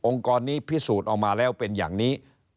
กรนี้พิสูจน์ออกมาแล้วเป็นอย่างนี้